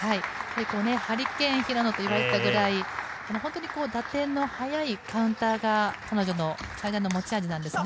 ハリケーン平野といわれていたぐらい、打点の速いカウンターが彼女の最大の持ち味なんですね。